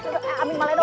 tidak kena tidak kena